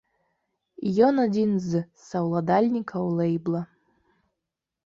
Ён адзін з саўладальнікаў лэйбла.